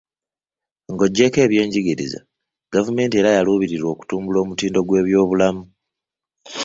Nga oggyeko ebyenjigiriza, gavumenti era yaluubirira okutumbula omutindo gw'ebyobulamu.